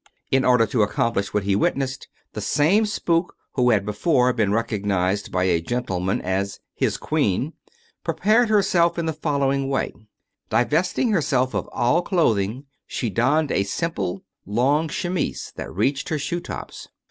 In order to accomplish what he witnessed, the same spook who had before been recognized by a gentleman as ^^his queen," prepared herself in the following way: Divesting herself of all clothing she donned simply a long chemise that reached her shoe tops.